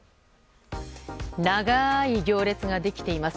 長い行列ができています。